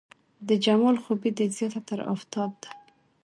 د جمال خوبي دې زياته تر افتاب ده